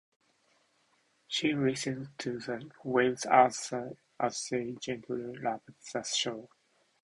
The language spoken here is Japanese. She listened to the waves as they gently lapped the shore.